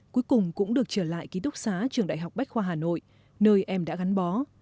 cuối cùng cũng được trở lại ký túc xá trường đại học bách khoa hà nội nơi em đã gắn bó